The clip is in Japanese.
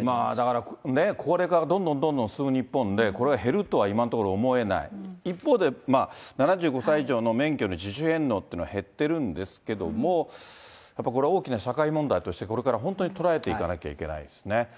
だから、高齢化がどんどんどんどん進む日本で、これが減るとは今のところ、思えない、一方で、７５歳以上の免許の自主返納っていうのは減ってるんですけども、やっぱこれ、大きな社会問題として、これから本当に捉えていかなきゃいけないですね。